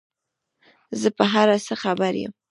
زه په هر څه خبر یم ،